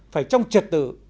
phải trong trật tự